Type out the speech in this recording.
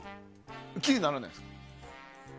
気にならないですか？